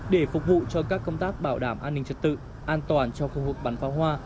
để phục vụ cho các công tác bảo đảm an ninh trật tự an toàn cho khu vực bán pháo hoa